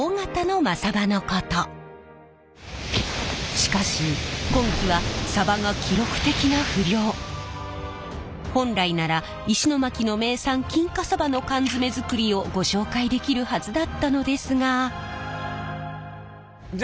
しかし今季は本来なら石巻の名産金華さばの缶詰作りをご紹介できるはずだったのですが。